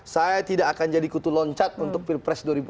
saya tidak akan jadi kutu loncat untuk pilpres dua ribu dua puluh